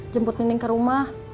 jemput nining ke rumah